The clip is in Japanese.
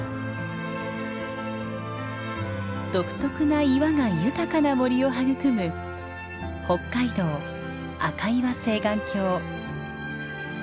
独特な岩が豊かな森を育む北海道赤岩青巌峡。